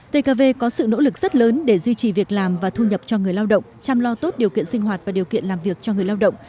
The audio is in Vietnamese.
tkv có sự nỗ lực rất lớn để duy trì việc làm và thu nhập cho người lao động chăm lo tốt điều kiện sinh hoạt và điều kiện làm việc cho người lao động